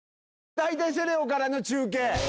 大体、セレオからの中継。